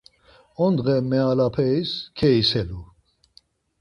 Ondğe mealaperis keiselu.